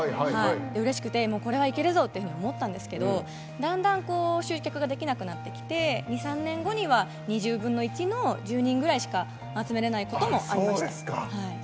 うれしくて、これはいけるぞっていうふうに思ったんですけどだんだん集客ができなくなってきて２３年後には２０分の１の１０人ぐらいしか集められないこともありました。